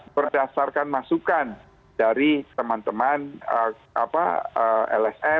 berdasarkan masukan dari teman teman lsm